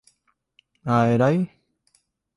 Ai đấy